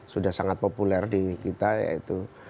sudah sangat populer di kita yaitu